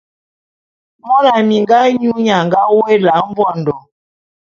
Mona minga nyu nnye a nga woé Ela Mvondo.